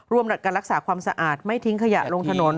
การรักษาความสะอาดไม่ทิ้งขยะลงถนน